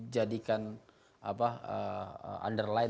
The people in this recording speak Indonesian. jadi misalnya misalnya kita sudah melakukan catatan yang sudah diperoleh